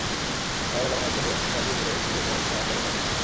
সারা বেলা মাছ ধরে খালই ভরে ফিরে যায় যার যার বাড়ি।